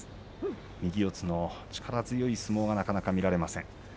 右四つの力強い相撲がなかなか見られません。